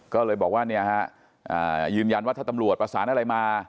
ก็เลยบอกว่าเนี่ยฮะยืนยันว่าถ้าตำรวจประสานอะไรมา